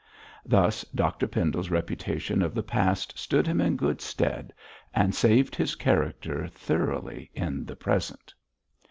Thus Dr Pendle's reputation of the past stood him in good stead, and saved his character thoroughly in the present.